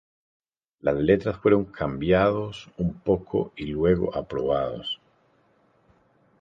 Las letras fueron cambiados un poco y luego aprobados.